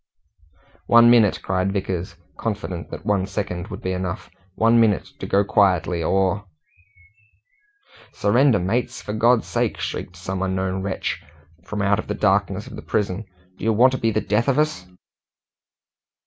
"One minute!" cried Vickers, confident that one second would be enough "one minute to go quietly, or " "Surrender, mates, for God's sake!" shrieked some unknown wretch from out of the darkness of the prison. "Do you want to be the death of us?"